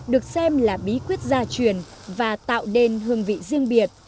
được xem là bí quyết gia truyền và tạo nên hương vị riêng biệt